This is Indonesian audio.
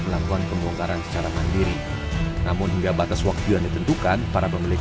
melakukan pembongkaran secara mandiri namun hingga batas waktu yang ditentukan para pemilik